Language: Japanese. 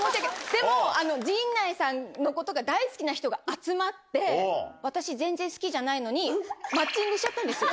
でも、陣内さんのことが大好きな人が集まって、私、全然好きじゃないのに、マッチングしちゃったんですよ。